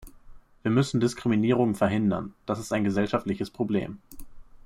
Wir müssen Diskriminierungen verhindern, das ist ein gesellschaftliches Problem.